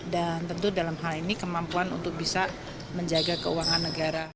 dan tentu dalam hal ini kemampuan untuk bisa menjaga keuangan negara